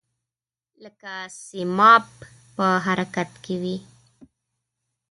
لکه سیماب په حرکت کې وي.